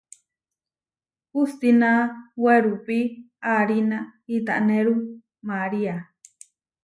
Hustina werupí aarína iʼtanéru María.